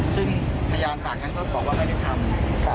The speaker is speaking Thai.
ซึ่งพยานต่างก็บอกไม่ได้ทำ